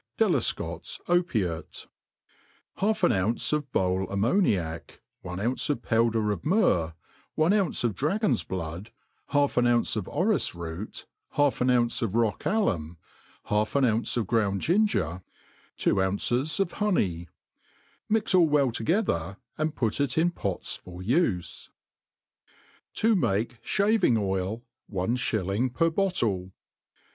^ b^kfcot's opiate. Half an ounce of bole^ammoniac, one ounce of powder of myrrh, one ounce of dragon's blood, half an ounce of or ri€e*root, half an ounce of r'och alum, half an ounce of grouad • D d . g»ng«ri 4M RECEIPTS FOR PERFUMERY, &tf. ginger, two ounces of honey ; mix all well together, and put it in pots for ufe. To maki Shaving OiL ^ One Shilling per Bottle.